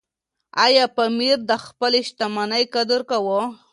ایا پییر د خپلې شتمنۍ قدر کاوه؟